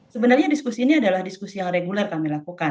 sebenarnya diskusi ini adalah diskusi yang reguler kami lakukan